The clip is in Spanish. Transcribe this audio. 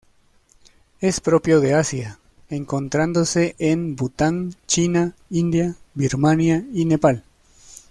Es propio de Asia, encontrándose en Bután, China, India, Birmania y Nepal.